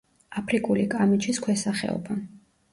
აფრიკული კამეჩის ქვესახეობა.